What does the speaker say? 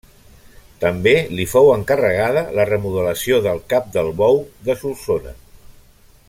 També li fou encarregada la remodelació del cap del Bou de Solsona.